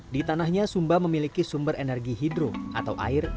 di tanahnya sumba memiliki sumber energi hidro atau air